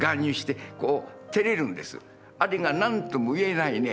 あれが何とも言えないね